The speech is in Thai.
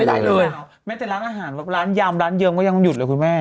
ได้เลยเหรอแม้แต่ร้านอาหารแบบร้านยามร้านเยิมก็ยังหยุดเลยคุณแม่